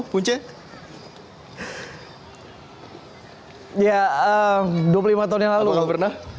apa belum pernah